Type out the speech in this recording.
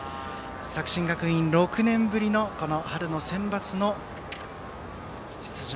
作新学院、６年ぶりの春のセンバツの出場。